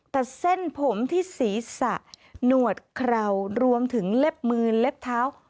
แต่เส้นผมที่ศีรษะหนวดเคราวรวมถึงเล็บมือเล็บเท้า